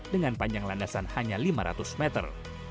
dengan panjang landasan hanya lima ratus meter